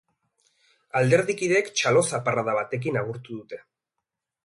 Alderdikideek txalo zaparrada batekin agurtu dute.